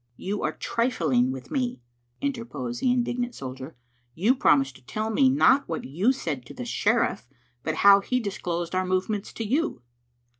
"You are trifling with me," interposed the indignant soldier. " You promised to tell me not what you said to the sheriff, but how he disclosed our movements to you.